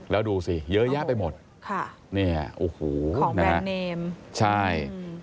แล้วดูสิเยอะแยะไปหมดของแบรนด์เนมใช่